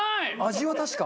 味は確か。